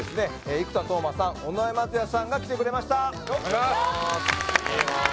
生田斗真さん尾上松也さんが来てくれましたお願いします